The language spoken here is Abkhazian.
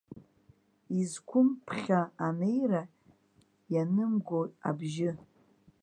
Изқәым ԥхьа анеира, ианымго абжьы.